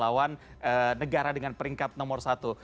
melawan negara dengan peringkat nomor satu